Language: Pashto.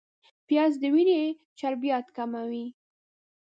پیاز د وینې چربیات کموي